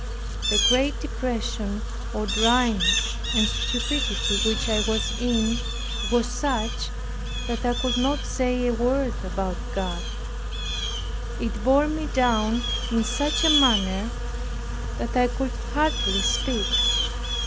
The great depression, or dryness and stupidity which I was in, was such that I could not say a word about God. It bore me down in such a manner that I could hardly speak.